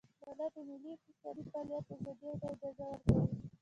دولت د ملي اقتصادي فعالیت ازادۍ ته اجازه ورکوي